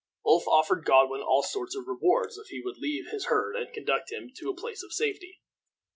Ulf offered Godwin all sorts of rewards if he would leave his herd and conduct him to a place of safety.